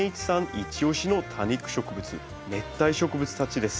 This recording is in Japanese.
イチオシの多肉植物熱帯植物たちです。